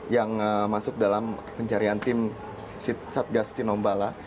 yang masuk dalam pencarian tim satgas tinombala